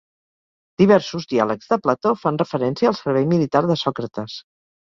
Diversos diàlegs de Plató fan referència al servei militar de Sòcrates.